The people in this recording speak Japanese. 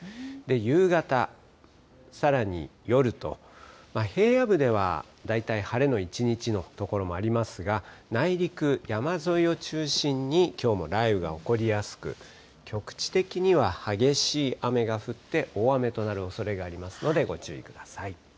夕方、さらに夜と、平野部では大体晴れの一日の所もありますが、内陸、山沿いを中心に、きょうも雷雨が起こりやすく、局地的には激しい雨が降って、大雨となるおそれがありますのでご注意ください。